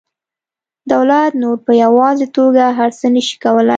دولت نور په یوازې توګه هر څه نشي کولی